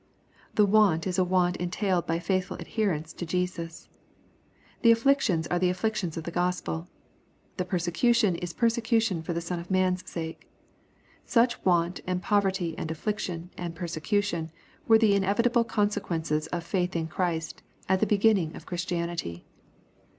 The want is a want entailed by faithful adherence to Jesus. The afflictions are the afflictions of the Gospel, The persecution is persecution for the Son of Man's sake. Such want, and poverty, and affliction, and persecution, were the inevita ble consequences of faith in Christ, at the beginning of Christianity.